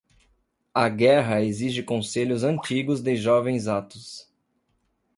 A guerra exige conselhos antigos de jovens atos.